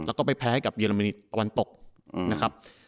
แล้วก็ไปแพ้ให้กับเยอรมนีตะวันตกนะครับ